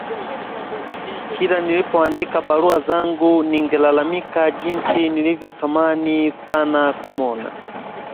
Kila nilipoandika barua zangu ningelalamika jinsi nilivyotamani sana kumwona